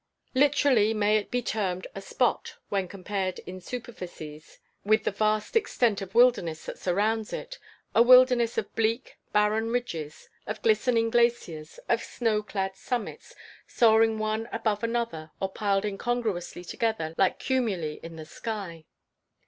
Literally may it be termed a spot, when compared in superficies with the vast extent of wilderness that surrounds it a wilderness of bleak, barren ridges, of glistening glaciers, of snow clad summits, soaring one above another, or piled incongruously together like cumuli in the sky.